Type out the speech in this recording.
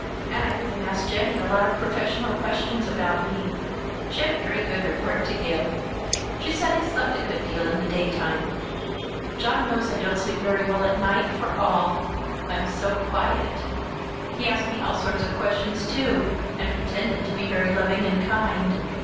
And I heard him ask Jennie a lot of professional questions about me. She had a very good report to give. She said I slept a good deal in the daytime. John knows I don't sleep very well at night, for all I'm so quiet! He asked me all sorts of questions, too, and pretended to be very loving and kind.